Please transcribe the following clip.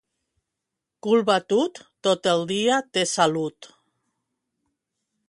Cul batut, tot el dia té salut.